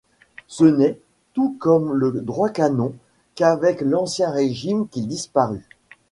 Ce n’est, tout comme dans le droit canon, qu’avec l’Ancien Régime qu’il disparut.